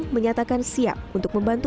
menyatakan siap untuk membantu